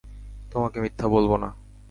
তোমাকে মিথ্যা বলবো না।